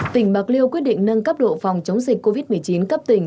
tỉnh bạc liêu quyết định nâng cấp độ phòng chống dịch covid một mươi chín cấp tỉnh